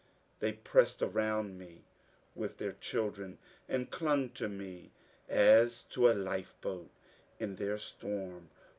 They pressed around me with their children, and clung to me as to a lifeboat in their storm.